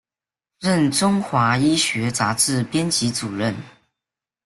任中华医学杂志编辑主任。